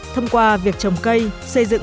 thông qua việc trồng cây xây dựng